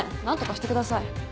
何とかしてください。